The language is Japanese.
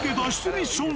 ミッション